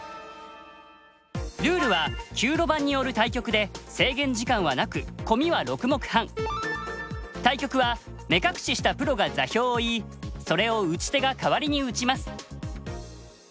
ルールは９路盤による対局で対局は目隠ししたプロが座標を言いそれを打ち手が代わりに打ちます。